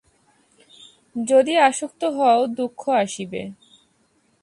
যদি আসক্ত হও, দুঃখ আসিবে।